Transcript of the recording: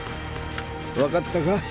わかったか？